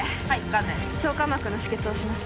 ガーゼ腸間膜の止血をします